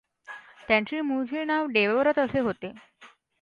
त्यांचे मूळचे नाव देवव्रत असे होते.